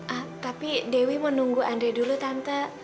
ah tapi dewi mau nunggu andre dulu tante